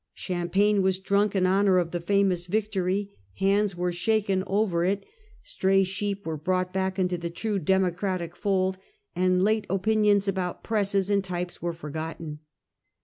Champagne was drunk in honor of the famous victory, hands were shaken over A Famous Yictokt. 193 it, stray sheep were brought back into the true Dem ocratic fold, and late opinions about presses and types were forgotten.